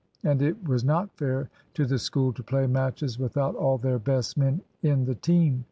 and it was not fair to the School to play matches without all their best men in the team.